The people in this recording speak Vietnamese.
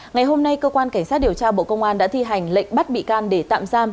ngày hôm nay cơ quan cảnh sát điều tra bộ công an đã thi hành lệnh bắt bị can để tạm giam